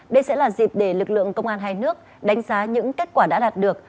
đây sẽ là dịp để lực lượng công an hai nước đánh giá những kết quả đã đạt được